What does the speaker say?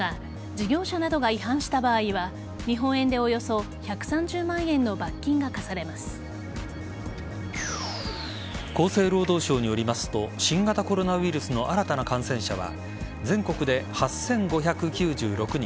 事業者などが違反した場合は日本円でおよそ１３０万円の罰金が厚生労働省によりますと新型コロナウイルスの新たな感染者は全国で８５９６人